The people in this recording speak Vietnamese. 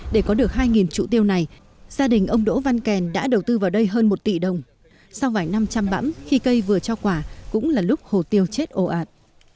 để có được hai trụ tiêu này gia đình ông đỗ văn kèn đã đầu tư vào đây hơn một tỷ đồng sau vài năm chăm bãm khi cây vừa cho quả cũng là lúc hồ tiêu chết ồ ạt